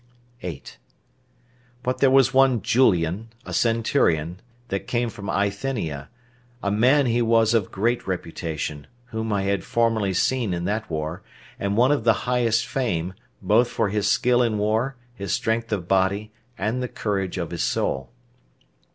8. But there was one Julian, a centurion, that came from Bithynia, a man he was of great reputation, whom I had formerly seen in that war, and one of the highest fame, both for his skill in war, his strength of body, and the courage of his soul.